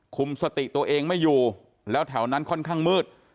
คุมสติตัวเองไม่อยู่แล้วแถวนั้นค่อนข้างมืด